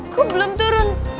gua belum turun